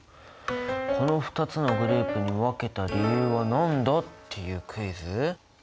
この２つのグループに分けた理由はなんだ？っていうクイズ。